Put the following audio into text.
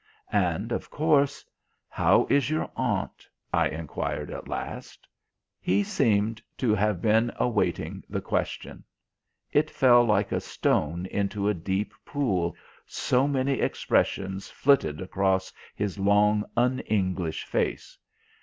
And of course: "How is your aunt?" I enquired at last. He seemed to have been awaiting the question. It fell like a stone into a deep pool, so many expressions flitted across his long un English face.